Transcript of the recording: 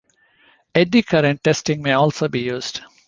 Eddy-current testing may also be used.